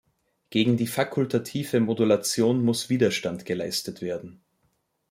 Gegen die fakultative Modulation muss Widerstand geleistet werden.